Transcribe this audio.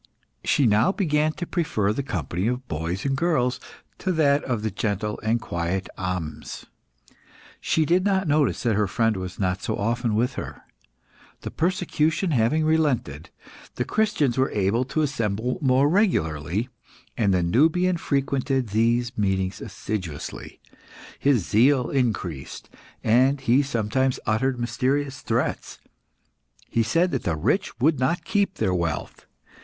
She now began to prefer the company of boys and girls to that of the gentle and quiet Ahmes. She did not notice that her friend was not so often with her. The persecution having relented, the Christians were able to assemble more regularly, and the Nubian frequented these meetings assiduously. His zeal increased, and he sometimes uttered mysterious threats. He said that the rich would not keep their wealth.